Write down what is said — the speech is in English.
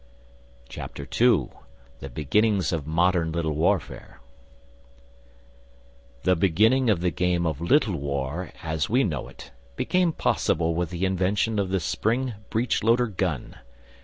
II THE BEGINNINGS OF MODERN LITTLE WARFARE THE beginning of the game of Little War, as we know it, became possible with the invention of the spring breechloader gun.